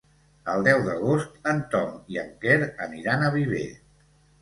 El deu d'agost en Tom i en Quer aniran a Viver.